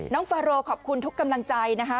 ฟาโรขอบคุณทุกกำลังใจนะคะ